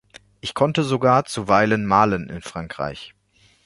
Ich konnte sogar zuweilen malen in Frankreich.